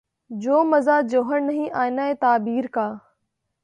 جو مزہ جوہر نہیں آئینۂ تعبیر کا